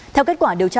theo kết quả điều tra